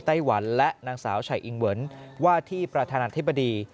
ไต้หวันและนางสาวชัยอิงเวิร์นว่าที่ประธานาธิบดี